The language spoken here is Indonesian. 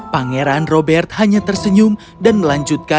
pangeran robert hanya tersenyum dan melanjutkan